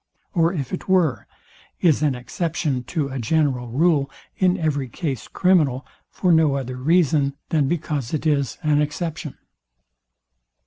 Or if it were, is an exception to a general rule in every case criminal, for no other reason than because it is an exception?